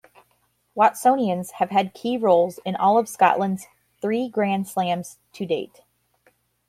Watsonians have had key roles in all of Scotland's three Grand Slams to date.